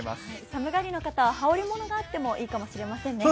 寒がりの方は、羽織りものがあるといいかもしれませんね。